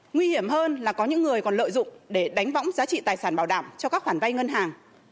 nguy hiểm hơn là có những người còn lợi dụng để đánh võng giá trị tài sản bảo đảm cho các khoản vay ngân hàng